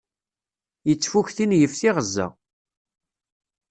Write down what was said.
Yettfuktin yif tiɣezza.